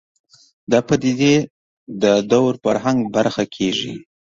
دا پدیدې د دور فرهنګ برخه کېږي